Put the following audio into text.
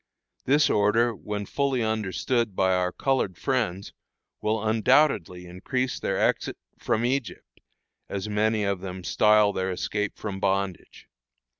This order, when fully understood by our colored friends, will undoubtedly increase their exit "from Egypt," as many of them style their escape from bondage.